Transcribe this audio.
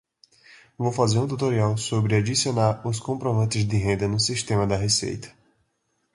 Vou fazer um tutorial sobre adicionar os comprovantes de renda no sistema da Receita